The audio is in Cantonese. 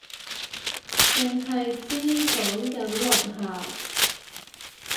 剩係知講緊聾校